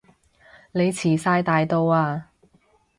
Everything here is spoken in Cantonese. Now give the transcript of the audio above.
你遲哂大到啊